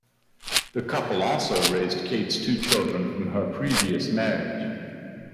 The couple also raised Kate's two children from her previous marriage.